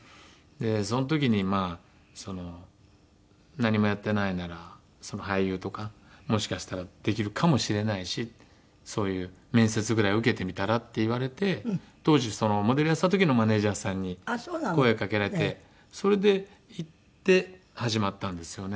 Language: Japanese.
その時にまあ何もやってないなら俳優とかもしかしたらできるかもしれないしそういう面接ぐらい受けてみたら？って言われて当時モデルやってた時のマネジャーさんに声をかけられてそれで行って始まったんですよね。